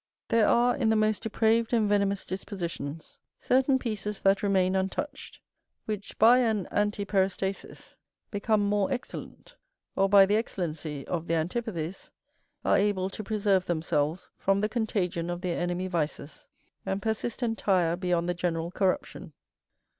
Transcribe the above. There are, in the most depraved and venomous dispositions, certain pieces that remain untouched, which by an antiperistasis become more excellent, or by the excellency of their antipathies are able to preserve themselves from the contagion of their enemy vices, and persist entire beyond the general corruption.